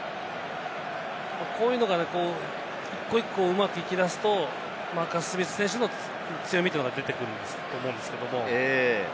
こういうのが１個１個うまくいきだすと、マーカス・スミス選手の強みというのが出てくると思うんですけれども。